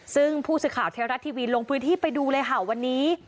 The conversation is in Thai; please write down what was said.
ซึ่งผู้สื่อข่าวเทวรัฐทีวีลงพื้นที่ไปดูเลยค่ะวันนี้